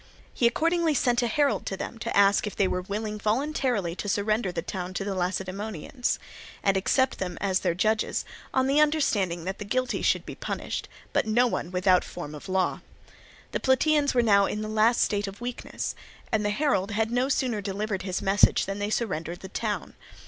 He accordingly sent a herald to them to ask if they were willing voluntarily to surrender the town to the Lacedaemonians, and accept them as their judges, upon the understanding that the guilty should be punished, but no one without form of law. The Plataeans were now in the last state of weakness, and the herald had no sooner delivered his message than they surrendered the town.